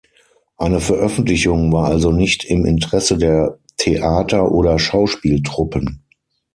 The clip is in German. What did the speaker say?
Eine Veröffentlichung war also nicht im Interesse der Theater oder Schauspieltruppen.